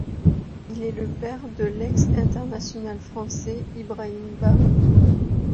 Il est le père de l'ex-international français Ibrahim Ba.